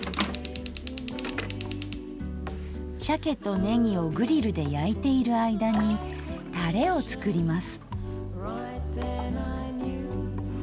鮭とねぎをグリルで焼いている間にタレを作ります。